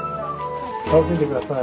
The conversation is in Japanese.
楽しんで下さい。